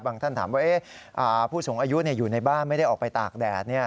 ท่านถามว่าผู้สูงอายุอยู่ในบ้านไม่ได้ออกไปตากแดด